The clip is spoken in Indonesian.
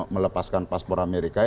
melepaskan paspor amerika